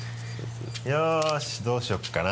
よしどうしようかな。